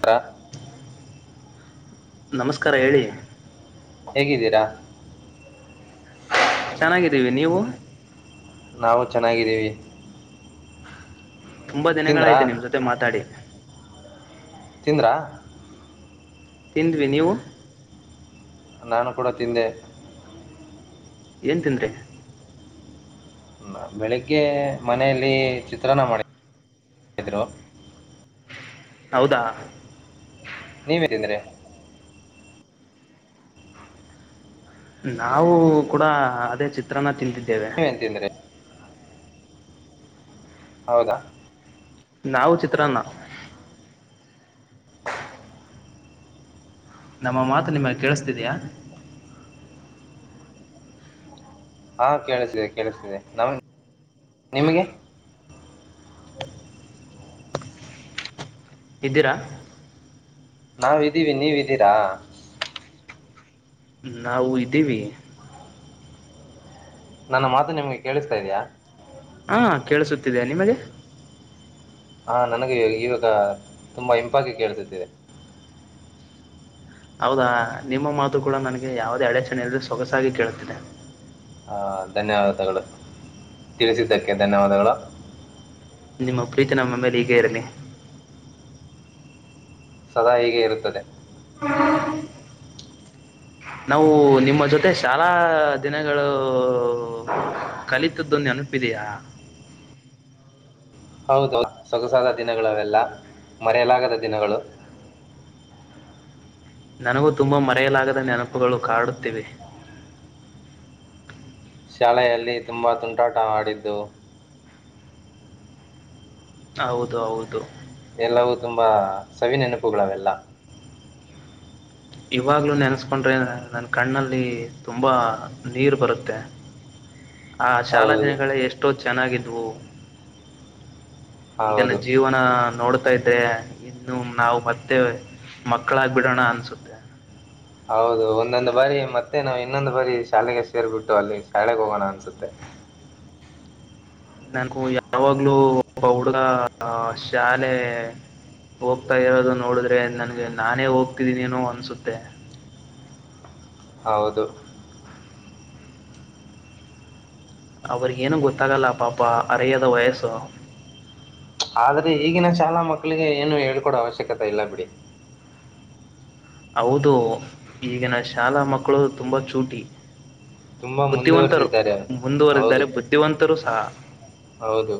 [unintelligible] ನಮಸ್ಕಾರ ಹೇಳಿ ಹೇಗಿದ್ದೀರಾ ಚೆನ್ನಾಗಿದ್ದೀವಿ ನೀವು ನಾವು ಚೆನ್ನಾಗಿದ್ದೀವಿ. ತುಂಬಾ ತಿಂದ್ರಾ ದಿನಗಳಾಯ್ತು ನಿಮ್ ಜೊತೆ ಮಾತಾಡಿ ತಿಂದ್ರಾ ತಿಂದ್ವಿ ನೀವು ನಾನು ಕೂಡ ತಿಂದೆ ಏನ್ ತಿಂದ್ರಿ ಬೆಳಿಗ್ಗೆ ಮನೆಯಲ್ಲಿ ಚಿತ್ರನ್ನ ಮಾಡಿದ್ರು ಹೌದಾ ನೀವ್ ಏನ್ ತಿಂದ್ರಿ ನಾವು ಕೂಡ ಅದೇ ಚಿತ್ರನ್ನ ತಿಂತಿದ್ದವಿ ನೀವ್ ಏನ್ ತಿಂದ್ರಿ ಹೌದಾ ನಾವು ಚಿತ್ರಾನ್ನ ನಮ್ಮ ಮಾತು ನಿಮಗೆ ಕೇಳಿಸ್ತಿದಿಯಾ ಹಾ ಕೇಳ್ಸ್ತೀದೆ ಕೇಳ್ಸ್ತೀದೆ ನಮ್ ನಿಮಿಗೆ ತಿದ್ದೀರಾ ನಾವು ಇದ್ದೀವಿ ನೀವ್ ಇದ್ದೀರಾ ನಾವು ಇದ್ದೀವಿ ನನ್ನ ಮಾತು ನಿಮ್ಗೆ ಕೇಳಿಸ್ತಾ ಇದಿಯ ಹಾ ಕೇಳಸುತ್ತಿದೆ ನಿಮಗೆ ಹಾಂ ನನಗೆ ಈ ಇವಾಗ ತುಂಬ ಇಂಪಾಗಿ ಕೇಲ್ಸುತಿದ್ದೆ ಹೌದಾ ನಿಮ್ಮ ಮಾತು ಕೂಡ ನನಗೆ ಯಾವುದೇ ಅಡಚಣೆ ಅಲ್ಲರೆ ಸೊಗಸಾಗಿ ಕೇಳುತ್ತಿದೆ ಅಂ ಧನ್ಯವಾದಗಳು ತಿಳಿಸಿದ್ದಕ್ಕೆ ಧನ್ಯವಾದಗಳು ನಿಮ್ಮ ಪ್ರೀತಿ ನಮ್ಮ ಮೇಲೆ ಈಗೆ ಇರಲಿ ಸದಾ ಹೀಗೆ ಇರುತ್ತದೆ [inaudible] ನಾವು ನಿಮ್ಮ ಜೊತೆ ಶಾಲಾ ದಿನಗಳು ಕಲಿತದ್ದು ನೆನಪಿದಿಯಾ ಹೌದು ಸೊಗಸಾದ ದಿನಗಳು ಅವೆಲ್ಲ ಮರೆಯಲಾಗದ ದಿನಗಳು. ನನಗೂ ತುಂಬಾ ಮರೆಯಲಾಗದ ನೆನಪುಗಳು ಕಾಡುತ್ತಿವೆ. ಶಾಲೆಯಲ್ಲಿ ತುಂಬಾ ತುಂಟಾಟ ಮಾಡಿದ್ದು. ಹೌದು ಹೌದು ಎಲ್ಲವೂ ತುಂಬಾ ಸವಿ ನೆನಪುಗಳು ಅವೆಲ್ಲ. ಇವಾಗಲೂ ನೆನೆಸ್ಕೊಂಡ್ರೆ ನನ್ನ ಕಣ್ಣಲ್ಲಿ ತುಂಬಾ ನೀರು ಬರುತ್ತೆ. ಆ ಶಾಲಾ ಹೌದು ದಿನಗಳ ಎಷ್ಟೋ ಚೆನ್ನಾಗಿದ್ವು ಈಗಿನ ಹೌದು ಜೀವನ. ನೋಡ್ತಾ ಇದ್ರೆ ಇನ್ನು ನಾವು ಮತ್ತೆ ಮಕ್ಕಳಾಗಬಿಡೋಣ ಅನ್ನಿಸುತ್ತೆ. ಹೌದು ಒಂದೊಂದು್ ಬಾರಿ ಮತ್ತೆ ನಾವು ಇನ್ನೊಂದ್ ಬಾರಿ ಶಾಲೆಗೆ ಸೇರ್ಬಿಟ್ಟು ಅಲ್ಲಿ ಶಾಲೆಗೆ ಹೋಗೋಣ ಅನ್ನಿಸುತ್ತೆ. ನನಗೂ ಯಾವಾಗ್ಲೂ ಒಬ್ಬ ಹುಡಗ ಶಾಲೆ. ಹೋಗ್ತಾ ಇರೋದು ನೋಡಿದ್ರೆ ನನ್ಗೆ ನಾನೇ ಹೋಗ್ತಿದೀನೇನೋ ಅನ್ನಿಸುತ್ತೆ. ಹೌದು ಅವ್ರಗೇನು ಗೊತ್ತಾಗಲ್ಲ ಪಾಪ ಅರಿಯ್ಯದ ವಯಸ್ಸು. ಆದ್ರೆ ಈಗಿನ ಶಾಲಾ ಮಕ್ಕಳಿಗೆ ಏನು ಹೇಳ್ಕೊಡೋ ಅವಶ್ಯಕತೆ ಇಲ್ಲ ಬಿಡಿ ಹೌದು ಈಗಿನ ಶಾಲಾ ಮಕ್ಕಳು ತುಂಬ ಚೂಟಿ ತುಂಬ ಬುದ್ಧಿವಂತರು ಮುಂದುವರೆದಿದ್ದಾರೆ ಹೌದು ಮುಂದುವರೆದಿದ್ದಾರೆ ಬುದ್ಧಿವಂತರು ಸಹ ಹೌದು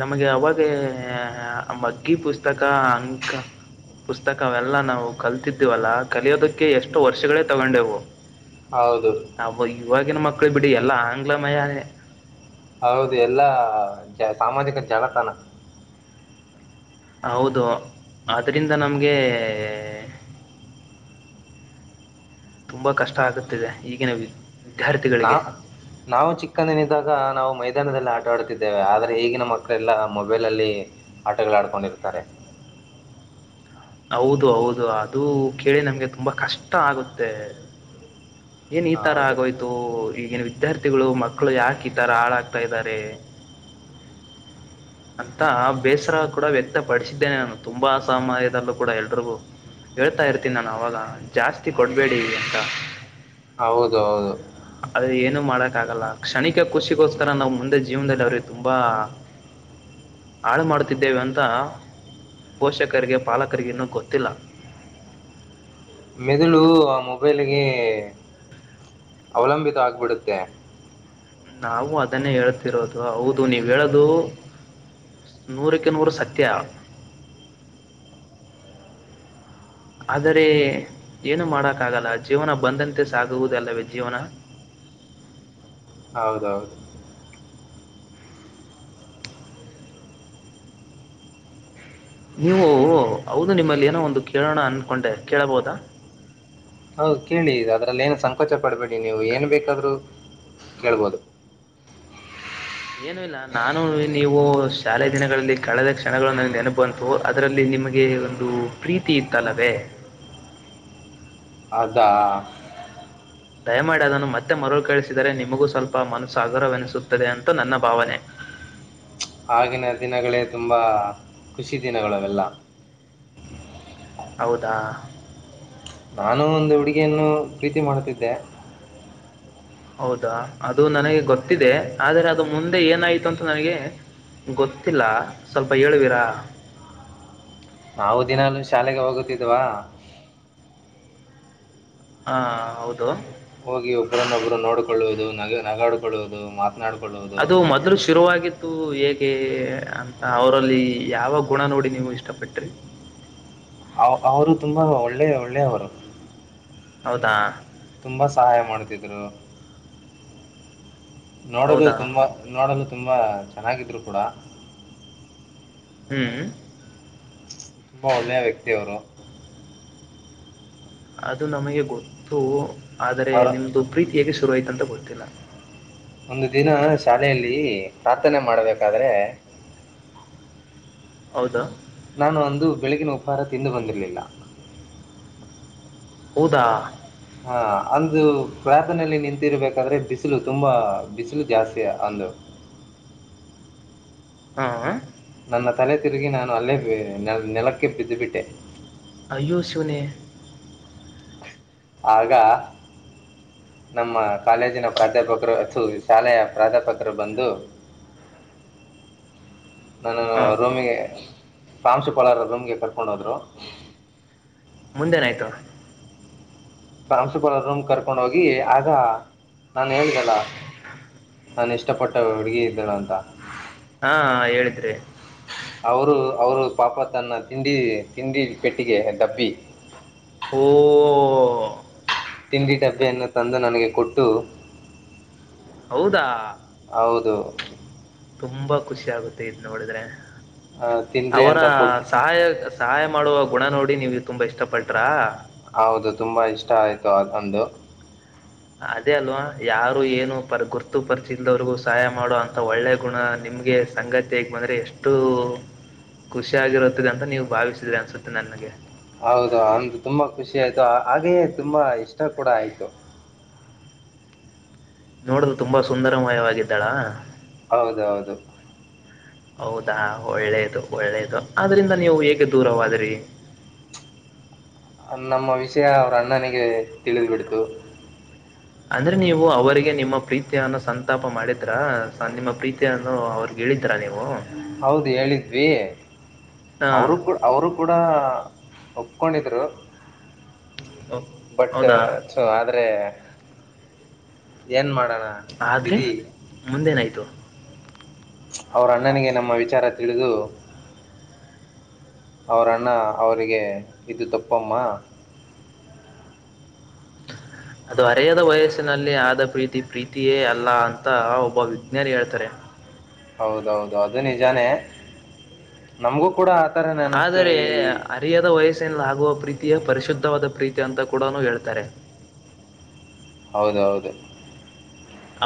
ನಮಗೆ ಅವಾಗ ಮಗ್ಗಿ ಪುಸ್ತಕ ಅಂಕ ಪುಸ್ತಕವೆಲ್ಲ ನಾವು ಕಲ್ತಿದ್ದೀವಲ್ಲಾ ಕಲಿಯೋದಕ್ಕೆ ಎಷ್ಟು ವರ್ಷಗಳೇ ತಗೊಂಡೆವು ಹೌದು ಅಬ್ಬಾ ಇವಾಗಿನ ಮಕ್ಕಳು ಬಿಡಿ ಎಲ್ಲ ಆಂಗ್ಲ ಮಯಾನ ಹೌದು ಎಲ್ಲಾ ಸಾಮಾಜಿಕ ಜಾಲತಾಣ. ಹೌದು ಆದದರಿಂದ ನಮಗೆ ತುಂಬಾ ಕಷ್ಟ ಆಗುತ್ತಿದೆ ಈಗಿನ. ನಾ ವಿದ್ಯಾರ್ಥಿಗಳಿಗೆ ನಾವು ಚಿಕ್ಕಂದೇನಿದ್ದಾಗ ನಾವು ಮೈದಾನದಲ್ಲಿ ಆಟ ಆಡುತ್ತಿದ್ದೇವು ಆದರೆ ಈಗಿನ ಮಕ್ಕಳೆಲ್ಲ ಮೊಬೈಲಲ್ಲಿ. ಆಟಗಳು ಆಡ್ಕೊಂಡಿರ್ತಾರೆ. ಹೌದು ಹೌದು ಅದು ಕೇಳಿ ನಮ್ಗೆ ತುಂಬಾ ಕಷ್ಟ ಆಗುತ್ತೆ. ಏನ್ ಈ ತರ ಹೌದು ಆಗೋಯ್ತು ಈಗಿನ ವಿದ್ಯಾರ್ಥಿಗಳು ಮಕ್ಕಳು ಯಾಕೆ ಈ ತರ ಹಾಳಾಗ್ತಾ ಇದ್ದಾರೆ. ಅಂತಾ ಬೇಸರ ಕೂಡ ವ್ಯಕ್ತಪಡಿಸಿದ್ದೇನೆ ನಾನು ತುಂಬಾ ಸಾಮಾಯದಲ್ಲೂ ಕೂಡ ಎಲ್ಲರಿಗೂ ಹೇಳ್ತಾ ಇರ್ತೀನಿ ನಾನು ಅವಾಗ ಜಾಸ್ತಿ ಕೊಡ್ಬೇಡಿ ಅಂತಾ. ಹೌದು ಹೌದು ಅದ್ರ ಏನು ಮಾಡಕ್ಕ ಆಗಲ್ಲ ಕ್ಷಣಿಕ ಖುಷಿಗೋಸ್ಕರ ನಾವ್ ಮುಂದೆ ಜೀವನದಲ್ಲಿ ಅವ್ರಿಗೆ ತುಂಬಾ. [inaudible] ಹಾಳು ಮಾಡುತ್ತಿದ್ದೇವೆ ಅಂತ ಪೋಷಕರಿಗೆ ಪಾಲಕರಿಗೆ ಇನ್ನುೂ ಗೊತ್ತಿಲ್ಲ ಮೆದುಳು ಆ ಮೊಬೈಲಿಗೆ ಅವಲಂಬಿತ ಆಗ್ಬಿಡುತ್ತೆ ನಾವು ಅದನ್ನೇ ಹೇಳ್ತಿರೋದು ಹೌದು ನೀವ್ ಹೇಳದು ನೂರಕ್ಕೆ ನೂರು ಸತ್ಯ ಆದರೆ ಏನು ಮಾಡೋಕ್ಕಾಗಲ್ಲ ಜೀವನ ಬಂದಂತೆ ಸಾಗುವುದಲ್ಲವೇ ಜೀವನ ಹೌದೌದು ನೀವು ಹೌದು ನಿಮ್ಮಲ್ಲಿ ಏನೋ ಒಂದು ಕೇಳೋಣ ಅನ್ಕೊಂಡೆ ಕೇಳಬಹುದಾ ಹೌದು ಕೇಳಿ ಇದು ಅದರಲ್ಲೆನು ಸಂಕೋಚ ಪಡಬೇಡಿ ನೀವು ಏನು ಬೇಕಾದರೂ ಕೇಳ್ಬೋದು ಏನು ಇಲ್ಲ ನಾನು ನೀವು ಶಾಲೆ ದಿನಗಳಲ್ಲಿ ಕಳೆದ ಕ್ಷಣಗಳು ನ ನೆನಪ ಬಂತು ಅದರಲ್ಲಿ ನಿಮಗೆ ಒಂದು ಪ್ರೀತಿ ಇತ್ತಲ್ಲವೇ ಅದ ದಯಮಾಡಿ ಅದನ್ನು ಮತ್ತೆ ಮರುಳು ಕೇಳಿಸಿದರೆ ನಿಮಗೂ ಸ್ವಲ್ಪ ಮನಸ್ಸು ಹಗುರವೆನಿಸುತ್ತದೆ ಅಂತ ನನ್ನ ಭಾವನೆ ಆಗಿನ ದಿನಗಳೇ ತುಂಬಾ ಖುಷಿ ದಿನಗಳು ಅವೆೆಲ್ಲ ಹೌದಾ ನಾನು ಒಂದು ಹುಡುಗಿಯನ್ನು ಪ್ರೀತಿ ಮಾಡುತ್ತಿದ್ದೆ ಹೌದಾ ಅದು ನನಗೆ ಗೊತ್ತಿದೆ ಆದ್ರೆ ಅದು ಮುಂದೆ ಏನಾಯ್ತು ಅಂತ ನನಗೆ ಗೊತ್ತಿಲ್ಲ ಸ್ವಲ್ಪ ಹೇಳುವೀರಾ ನಾವು ದಿನಲುೂ ಶಾಲೆಗೆ ಹೋಗುತ್ತಿದ್ವಾ ಹಾ ಹೌದು ಹೋಗಿ ಒಬ್ಬ್ರನ್ನೊಬ್ಬರು ನೋಡಿಕೊಳ್ಳುವುದು ನ ನಗಾಡಿಕೊಳ್ಳುವುದು ಮಾತ್ರ ಮತನಾಡುಕೊಳ್ಳುವುದು ಅದು ಮೊದ್ಲು ಶುರುವಾಗಿ ದ್ದು ಹೇಗೆ ಅಂತ ಅವರಲ್ಲಿ ಯಾವ ಗುಣ ನೋಡಿ ನೀವು ಇಷ್ಟಪಟ್ರಿ ಅವರು ತುಂಬಾ ಒಳ್ಳೆ ಒಳ್ಳೆ ಅವರು ಹೌದಾ ತುಂಬಾ ಸಹಾಯ ಮಾಡ್ತಿದ್ರು ನೋಡಲು ಹೌದಾ ತುಂಬಾ ನೋಡಲು ತುಂಬಾ ಚೆನ್ನಾಗಿದ್ರು ಕೂಡ ಹ್ಮ್ ತುಂಬಾ ಒಳ್ಳೆಯ ವ್ಯಕ್ತಿ ಅವರು ಅದು ನಮಗೆ ಗೊತ್ತು ಆದ್ರೆ ಅವರ ನಿಮ್ದು ಪ್ರೀತಿ ಹೇಗೆ ಶುರುವಾಯ್ತ ಅಂತ ಗೊತ್ತಿಲ್ಲ ಒಂದು ದಿನ ಶಾಲೆಯಲ್ಲಿ ಪ್ರಾರ್ಥನೆ ಮಾಡಬೇಕಾದ್ರೆ ಹೌದಾ ನಾನು ಅಂದು ಬೆಳಗಿನ ಉಪಹಾರ ತಿಂದು ಬಂದಿರಲಿಲ್ಲ ಹೌದ ಹಾ ಅಂದು ಪ್ರಾರರ್ತನೆಯಲ್ಲಿ ನಿಂತಿರ್ಬೇಕಾದ್ರೆ ಬಿಸಿಲು ತುಂಬಾ ಬಿಸಿಲು ಜಾಸ್ತಿ ಅಂದು ಹ್ಮ್ ನನ್ನ ತಲೆ ತಿರುಗಿ ನಾನು ಅಲ್ಲೇೆ ನೆಲಕ್ಕೆ ಬಿದ್ದುಬಿಟ್ಟೆ ಅಯ್ಯು ಶಿವನೇ ಆಗ ನಮ್ಮ ಕಾಲೇಜಿನ ಪ್ರಾಧ್ಯಾಪಕರು ತು ಶಾಲೆಯ ಪ್ರಾಧ್ಯಾಪಕರು ಬಂದು [inaudible] ನಾನು ಹಾ ರೂಮಿಗೆ ಪ್ರಾಂಶುಪಾಲರು ರೂಮಗೆ ಕರ್ಕೊಂಡು ಹೋದ್ರು ಮುಂದೆನಾಯ್ತು ಪಂಶುಪಾಲರ ರೂಮ್ ಕರ್ಕೊಂಡುೋಗಿ ಆಗ ನಾನು ಹೇಳಿದೆಲ್ಲ ನಾನು ಇಷ್ಟ ಪಟ್ಟ ಹುಡುಗಿ ಇದ್ದಳು ಅಂತ ಹಾ ಹೇಳಿದ್ರಿ ಅವರು ಅವರು ಪಾಪ ತನ್ನ ತಿಂಡಿ ತಿಂಡಿ ಪೆಟ್ಟಿಗೆ ಡಬ್ಬಿ ಹೂ ತಿಂಡಿ ಡಬ್ಬಿಯನ್ನು ತಂದು ನನಗೆ ಕೊಟ್ಟು ಹೌದಾ ಹೌದು ತುಂಬಾ ಖುಷಿ ಆಗುತ್ತೆ ಇದ್ ನೋಡಿದ್ರೆ ಆ, ತಿನ್ರಿ ಅವರ ಅಂತ ಕೊಟ್ಟು ಸಹಾಯ ಸಹಾಯ ಮಾಡುವ ಗುಣ ನೋಡಿ ನೀವು ತುಂಬ ಇಷ್ಟಪಟ್ರ ಹೌದು ತುಂಬಾ ಇಷ್ಟ ಆಯ್ತು ಅದೊಂದು ಅದೇ ಅಲ್ವಾ ಯಾರು ಏನು ಪರ ಗುರ್ತು ಪರಿಚಯ ಇಲ್ದವರಿಗೂ ಸಹಾಯ ಮಾಡೋ ಅಂತ ಒಳ್ಳೆ ಗುಣ ನಿಮ್ಗೆ ಸಂಗಾತಿಯಾಗಿ ಬಂದರೆ ಎಷ್ಟು ಖುಷಿಯಾಗಿರುತ್ತದೆ ಅಂತ ನೀವು ಭಾವಿಸಿದ್ರಿ ಅನಿಸುತ್ತೆ ನನಗೆ ಹೌದು ಅಂದು ತುಂಬಾ ಖುಷಿ ಆಯ್ತು ಹಾಗೆಯೇ ತುಂಬಾ ಇಷ್ಟ ಕೂಡ ಆಯ್ತು ನೋಡುಲು ತುಂಬಾ ಸುಂದರಮಯವಾಗಿದ್ದಾಳಾ ಹೌದೌದು ಹೌದಾ ಒಳ್ಳೇದು ಒಳ್ಳೇದು ಅದ್ರಿಂದ ನೀವು ಹೇಗೆ ದೂರವಾದ್ರಿ. ನಮ್ಮ ವಿಷಯ ಅವ್ರ ಅಣ್ಣನಿಗೆ ತಿಳಿದ್ ಬಿಡ್ತು. ಅಂದ್ರೆ ನೀವು ಅವರಿಗೆ ನಿಮ್ಮ ಪ್ರೀತಿಯನ್ನು ಸಂತಾಪ ಮಾಡಿದ್ರ ಸೊ ನಿಮ್ಮ ಪ್ರೀತಿಯನ್ನು ಅವ್ರ. ಹೇಳಿದ್ರಾ ನೀವು. ಹೌದು ಹೇಳಿದ್ವಿ ಹಾ ಅವ್ರು ಕೂಡ ಅವ್ರು ಕೂಡ ಒಪ್ಕೊಂಡಿದ್ರು. ಓ- ಬಟ್ ಹೌದಾ ಚೊ ಆದ್ರೆ ಏನ್ ಮಾಡಣ. ಆದ್ರೆ ಮುಂದೇನಾಯಿತು. ಅವರ ಅಣ್ಣನಿಗೆ ನಮ್ಮ ವಿಚಾರ ತಿಳಿದು. ಅವರಣ್ಣ ಅವರಿಗೆ ಇದು ತಪ್ಪಮ್ಮ. ಅದು ಹರೆಯದ ವಯಸ್ಸಿನಲ್ಲಿ ಆದ ಪ್ರೀತಿ ಪ್ರೀತಿಯೇ ಅಲ್ಲ ಅಂತ ಒಬ್ಬ ವಿಜ್ಞಾನಿ ಹೇಳ್ತಾರೆ. ಹೌದೌದು ಅದು ನಿಜಾನೇ ನಮಗೂ ಕೂಡ ಆಥರನೆ ಅನುಸ್ತು ಆದರೆ ಈ ಅರಿಯದ ವಯಸ್ಸಿನಲ್ಲಿ ಆಗುವ ಪ್ರೀತಿಯೇ ಪರಿಶುದ್ಧವಾದ ಪ್ರೀತಿ ಅಂತ ಕೂಡ ಹೇಳ್ತಾರೆ. ಹೌದ ಹೌದು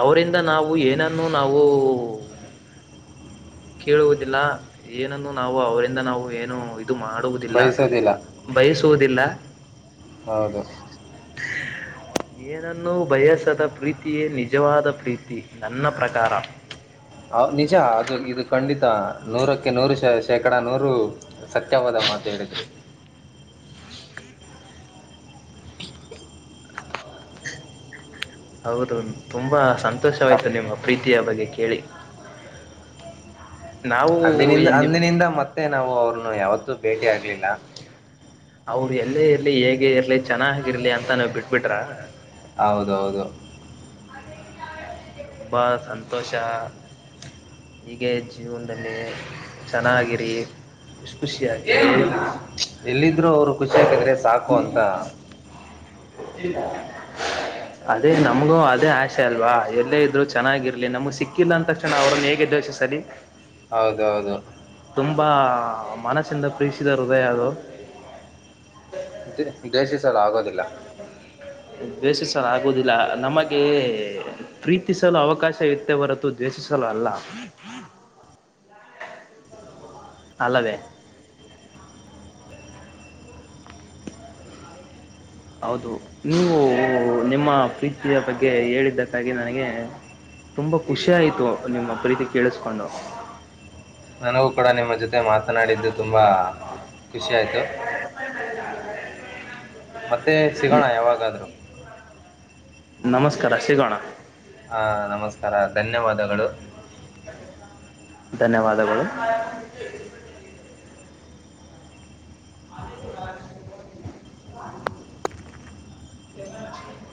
ಅವರಿಂದ ನಾವು ಏನನ್ನು ನಾವು. ಕೇಳುವುದಿಲ್ಲ ಏನನ್ನು ನಾವು ಅವರಿಂದ ನಾವು ಏನು ಇದು ಮಾಡುವುದಿಲ್ಲ. ಬಯಸೋದಿಲ್ಲ ಬಯಸುವುದಿಲ್ಲ. ಹೌದು ಏನನ್ನೂ ಬಯಸದ ಪ್ರೀತಿಯೇ ನಿಜವಾದ ಪ್ರೀತಿ ನನ್ನ ಪ್ರಕಾರ. ಹೌ ನಿಜ ಅದು ಇದು ಖಂಡಿತ ನೂರಕ್ಕೆ ನೂರು ಶ ಶೇಕಡ ನೂರು. ಸತ್ಯವಾದ ಮಾತು ಹೇಳಿದ್ರಿ. [unintelligible] ಹೌದು ತುಂಬಾ ಸಂತೋಷವಾಯ್ತು ನಿಮ್ಮ ಪ್ರೀತಿಯ ಬಗ್ಗೆ ಕೇಳಿ. ನಾವು ಅಂದಿನಿಂದ ನಿಮ್ ಅಂದಿನಿಂದ ಮತ್ತೆ ನಾವು ಅವ್ರನು ಯಾವತ್ತೂ ಭೇಟಿ ಆಗ್ಲಿಲ್ಲ. ಅವ್ರು ಎಲ್ಲೇ ಇರಲಿ ಹೇಗೆ ಇರಲಿ ಚೆನ್ನಾಗಿರ್ಲಿ ಅಂತ ನೀವು ಬಿಟ್ಬಿಟ್ರ. ಹೌದೌದು ತುಂಬಾ ಸಂತೋಷ. ಹೀಗೆ ಜೀವನದಲ್ಲಿ ಚೆನ್ನಾಗಿರಿ. ಖುಷ ಖುಷಿಯಾಗಿ. ಎಲ್ಲಿದ್ರು ಅವ್ರು ಖುಷಿಯಾಗಿದ್ರೆ ಸಾಕು ಅಂತ. ಹ [unintelligible] ಅದೇ ನಮಗೂ ಅದೇ ಆಸೆ ಅಲ್ವಾ ಎಲ್ಲೇ ಇದ್ರು ಚೆನ್ನಾಗಿರ್ಲಿ ನಮಗ ಸಿಕ್ ಸಿಕ್ಕಿಲ್ಲ ಅಂದ ತಕ್ಷಣ ಅವ್ರನ್ನ ಹೇಗೆ ದ್ವೇಷಿಸಲಿ. ಹೌದ ಹೌದು. ತುಂಬಾ ಮನಸ್ಸಿಂದ ಪ್ರೀತಿಸಿದ ಹೃದಯ ಅದು. ಮತ್ತೆ ದ್ವೇಷಿಸಲಾಗೋದಿಲ್ಲ. ದ್ವೇಷಿಸಲಾಗೋದಿಲ್ಲ ನಮಗೆ. ಪ್ರೀತಿಸಲು ಅವಕಾಶ ಇತ್ತೆ ಹೊರತು ದ್ವೇಷಿಸಲು ಅಲ್ಲ. ಅಲ್ಲದೆೇ. ಹೌದು ನೀವು ನಿಮ್ಮ ಪ್ರೀತಿಯ ಬಗ್ಗೆ ಹೇಳಿದ್ದಕ್ಕಾಗಿ ನನಗೆ. ತುಂಬಾ ಖುಷಿ ಆಯ್ತು ನಿಮ್ಮ್ ಪ್ರೀತಿ ಕೇಳಿಸ್ಕೊಂಡು. ನನಗೂ ಕೂಡ ನಿಮ್ಮ ಜೊತೆ ಮಾತನಾಡಿದ್ದು ತುಂಬ ಖುಷಿ ಆಯಿತು. ಹ ನಾಳ [unintelligible] ಮತ್ತೆ ಸಿಗೋಣ ಯವಾಗಾದ್ರೂ. ನಮಸ್ಕರ ಸಿಗೋಣ. ಹಾಂ ನಮಸ್ಕರ ಧನ್ಯವಾದಗಳು. ಧನ್ಯವಾದಗಳು. [inaudible]